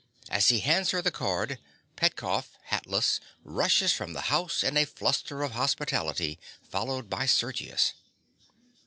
As he hands her the card, Petkoff, hatless, rushes from the house in a fluster of hospitality, followed by Sergius.